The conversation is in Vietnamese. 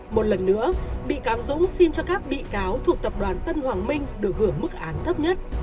một lần nữa bị cáo dũng xin cho các bị cáo thuộc tập đoàn tân hoàng minh được hưởng mức án thấp nhất